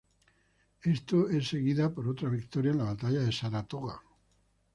Esto es seguida por otra victoria en la Batalla de Saratoga.